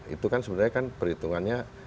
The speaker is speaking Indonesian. itu kan sebenarnya kan perhitungannya